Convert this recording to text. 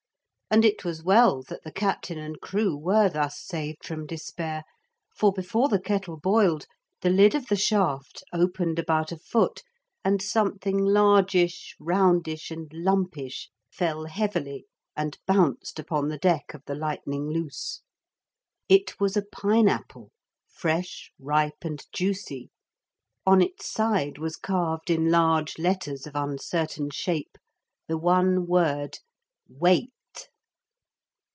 And it was well that the captain and crew were thus saved from despair. For before the kettle boiled, the lid of the shaft opened about a foot and something largeish, roundish and lumpish fell heavily and bounced upon the deck of the Lightning Loose. It was a pine apple, fresh, ripe and juicy. On its side was carved in large letters of uncertain shape the one word 'WAIT.'